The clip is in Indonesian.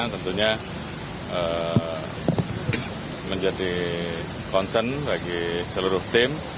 tentunya menjadi concern bagi seluruh tim